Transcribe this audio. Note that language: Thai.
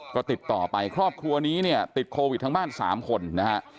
ก็ติดต่อไปครอบครัวนี้เนี่ยติดโควิดทั้งบ้าน๓คนนะฮะ